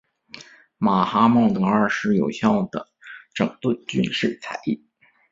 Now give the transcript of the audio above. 马哈茂德二世有效地整顿军事采邑。